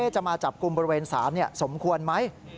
จะมาจับกลุ่มบริเวณศาลสมควรไหม